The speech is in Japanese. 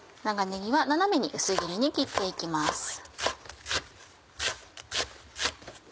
長ねぎは斜めに薄切りに切って行きます。